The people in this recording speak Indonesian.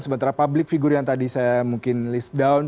sementara public figure yang tadi saya mungkin list down